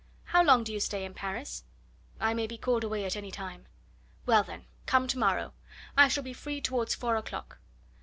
"How long do you stay in Paris?" "I may be called away at any time." "Well, then, come to morrow. I shall be free towards four o'clock.